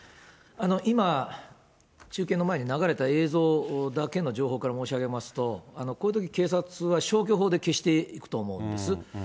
今、中継の前に流れた映像だけの情報から申し上げますと、こういうとき警察は、消去法で消していくと思うんです。